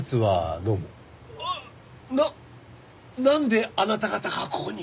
あっななんであなた方がここに！？